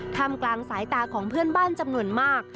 ทำกลางสายตาของเพื่อนบ้านจำนวนมาก